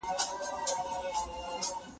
که مسواک موجود وي نو زه به یې ووهل شم.